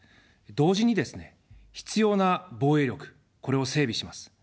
同時にですね、必要な防衛力、これを整備します。